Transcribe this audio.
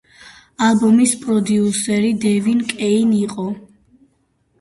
ალბომის პროდიუსერი დევიდ კეინი იყო.